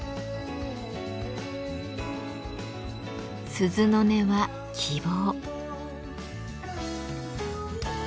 鈴の音は希望。